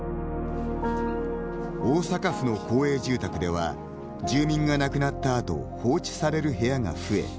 大阪府の公営住宅では住民が亡くなった後放置される部屋が増え